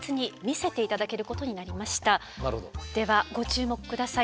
ではご注目下さい。